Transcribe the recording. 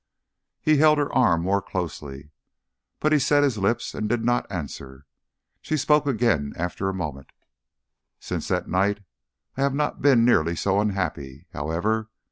He held her arm more closely, but he set his lips and did not answer. She spoke again after a moment. "Since that night I have not been nearly so unhappy, however.